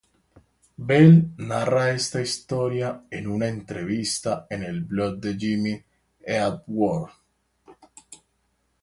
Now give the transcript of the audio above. Bell narra esta historia en una entrevista en el blog de Jimmy Eat World.